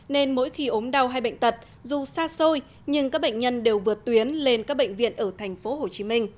nên mỗi khi ốm đau hay bệnh tật dù xa xôi nhưng các bệnh nhân đều vượt tuyến lên các bệnh viện ở tp hcm